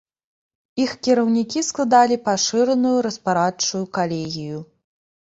Іх кіраўнікі складалі пашыраную распарадчую калегію.